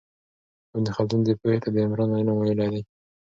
ابن خلدون دې پوهې ته د عمران علم ویلی دی.